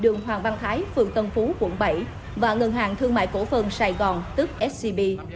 đường hoàng văn thái phường tân phú quận bảy và ngân hàng thương mại cổ phần sài gòn tức scb